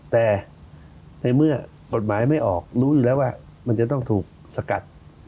แต่ในเมื่อกฎหมายไม่ออกรู้อยู่แล้วว่ามันจะต้องถูกสกัด